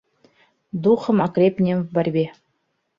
Духом окрепнем в борьбе.